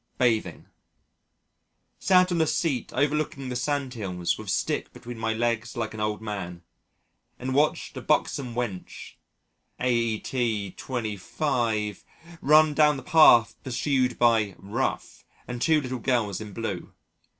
Bathing Sat on a seat overlooking the sand hills with stick between my legs like an old man, and watched a buxom wench aet. 25 run down the path pursued by "Rough" and two little girls in blue.